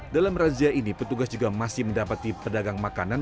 dalam razia ini petugas juga masih mendapati pedagang makanan